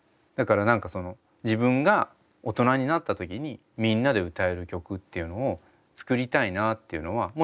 だから何か自分が大人になった時にみんなで歌える曲っていうのを作りたいなっていうのは。